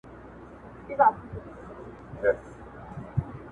ګنې تمامه شپې ټپې کړم ورته